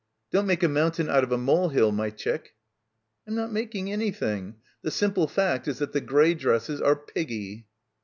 "Don't make a mountain out of a molehill, my chick." "I'm not making anything. The simple fact is that the grey dresses are piggy."